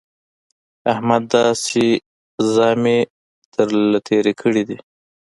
احمد داسې ژامې تر له تېرې کړې دي